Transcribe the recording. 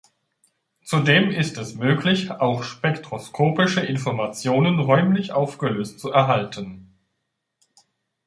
Zudem ist es möglich, auch spektroskopische Informationen räumlich aufgelöst zu erhalten.